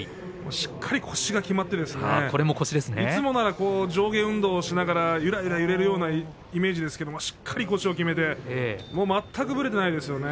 しっかり腰がきまっていつもなら上下運動をしながらゆらゆら揺れるようなイメージですけれどもしっかり腰をきめて全くぶれていないですよね。